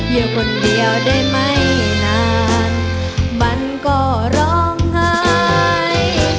อยู่คนเดียวได้ไม่นานมันก็ร้องไห้